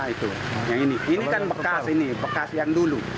ini kan bekas yang dulu